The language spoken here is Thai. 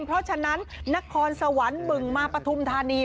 เพราะฉะนั้นนครสวรรค์บึงมาปฐุมธานี